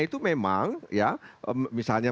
itu memang ya misalnya